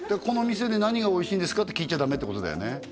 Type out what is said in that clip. このお店で何がおいしいんですかって聞いちゃダメってことだよね？